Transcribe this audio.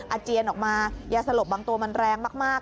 อาเจียนออกมายาสลบบางตัวมันแรงมาก